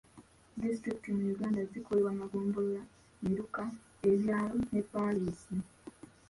Disitulikiti mu Uganda zikolebwa maggombolola, miruka, ebyalo ne paaliisi.